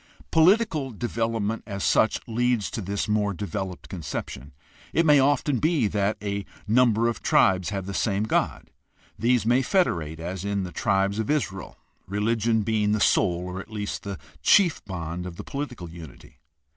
Political development as such leads to this more developed conception. It may often be that a number of tribes have the same god. These may federate, as in the tribes of Israel, religion being the sole or at least the chief bond of the political unity.